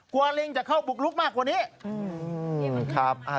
ลิงจะเข้าบุกลุกมากกว่านี้